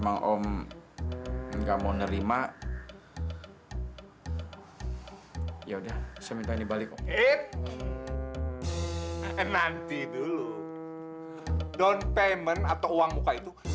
aku mau makan kondilarnya nih